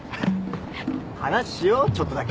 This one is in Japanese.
話しようちょっとだけ。